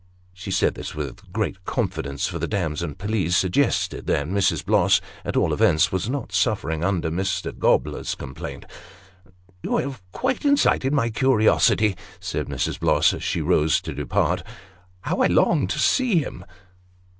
She said this with great confidence, for the damson pelisse suggested that Mrs. Bloss, at all events, was not suffering under Mr. Gobler's complaint. " You have quite incited my curiosity," said Mrs. Bloss, as she rose to depart. " How I long to see him